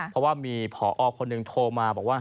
เพราะว่ามีผอคนหนึ่งโทรมาบอกว่า